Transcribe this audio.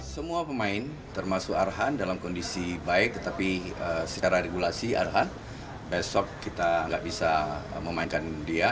semua pemain termasuk arhan dalam kondisi baik tetapi secara regulasi arhan besok kita nggak bisa memainkan dia